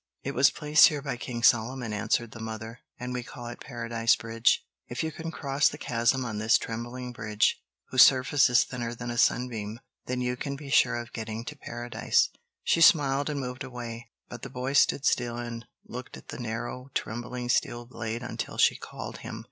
"It was placed there by King Solomon," answered the mother, "and we call it Paradise Bridge. If you can cross the chasm on this trembling bridge, whose surface is thinner than a sunbeam, then you can be sure of getting to Paradise." She smiled and moved away; but the boy stood still and looked at the narrow, trembling steel blade until she called him.